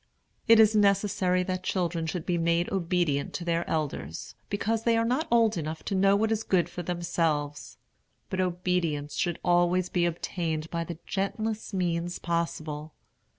It is necessary that children should be made obedient to their elders, because they are not old enough to know what is good for themselves; but obedience should always be obtained by the gentlest means possible.